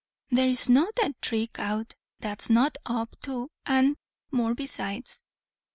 There's not a thrick out, that one's not up to, and more besides.